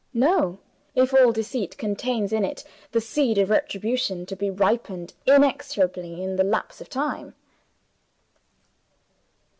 No if all deceit contains in it the seed of retribution, to be ripened inexorably in the lapse of time.